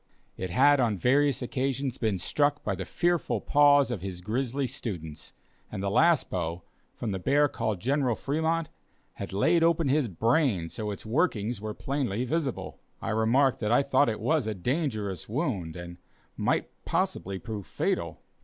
It had on various occasions been struck by the fearful paws of his grizzly students; and the last blow, from the bear called "General Fremont," had laid open his brain so that its workings were plainly visible. I remarked that I thought it was a dangerous wound and might possibly prove fatal.